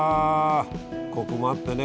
コクもあってね